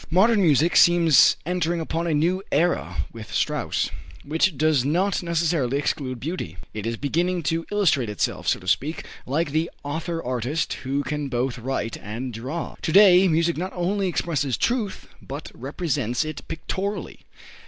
Modern music seems entering upon a new era with Strauss, which does not necessarily exclude beauty. It is beginning to illustrate itself, so to speak, like the author artist who can both write and draw. To day, music not only expresses truth, but represents it pictorially.